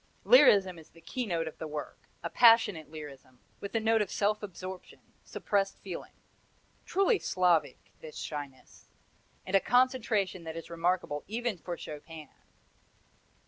Lyrism is the keynote of the work, a passionate lyrism, with a note of self absorption, suppressed feeling truly Slavic, this shyness! and a concentration that is remarkable even for Chopin.